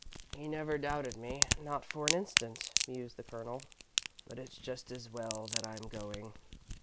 "He never doubted me, not for an instant," mused the Colonel, "but it's just as well that I'm going.